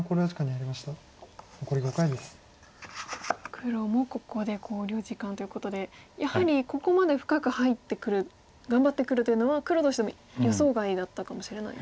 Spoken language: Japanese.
黒もここで考慮時間ということでやはりここまで深く入ってくる頑張ってくるというのは黒としても予想外だったかもしれない。